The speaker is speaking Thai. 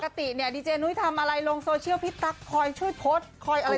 ปกติเนี่ยดีเจนุ้ยทำอะไรลงโซเชียลพี่ตั๊กคอยช่วยโพสต์คอยอะไร